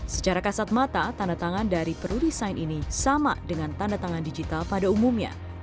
secara kasat mata tanda tangan dari peru desain ini sama dengan tanda tangan digital pada umumnya